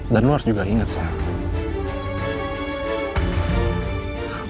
dan lu harus juga ingat sayang